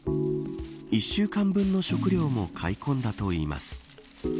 １週間分の食料も買い込んだといいます。